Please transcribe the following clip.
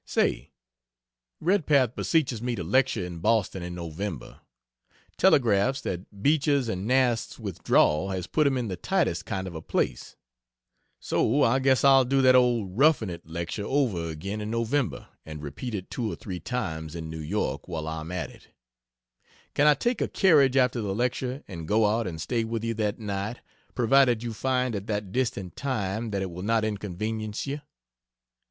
Say Redpath beseeches me to lecture in Boston in November telegraphs that Beecher's and Nast's withdrawal has put him in the tightest kind of a place. So I guess I'll do that old "Roughing It" lecture over again in November and repeat it 2 or 3 times in New York while I am at it. Can I take a carriage after the lecture and go out and stay with you that night, provided you find at that distant time that it will not inconvenience you?